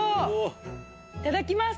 いただきます！